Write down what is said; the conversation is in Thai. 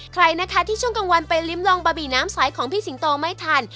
ใครนะคะที่ช่วงกลางวันไปลิ้มลองบะหมี่น้ำใสของพี่สิงโตไม่ทัน